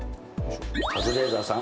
カズレーザーさん